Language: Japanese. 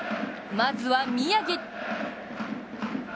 まずは宮城。